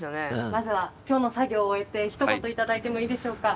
まずは今日の作業を終えてひと言頂いてもいいでしょうか？